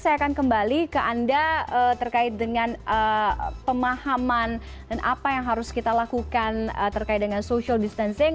saya akan kembali ke anda terkait dengan pemahaman dan apa yang harus kita lakukan terkait dengan social distancing